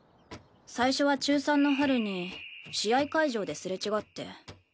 最初は中３の春に試合会場ですれ違って。